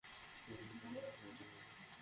Batter ভাগ্য আছে মাইরি!